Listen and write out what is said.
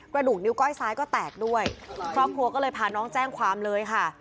กระดูกนิ้วก้อยซ้ายก็แตกด้วยครอบครัวก็เลยพาน้องแจ้งความเลยค่ะ